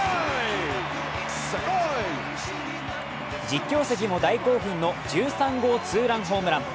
実況席も大興奮の１３号ツーランホームラン。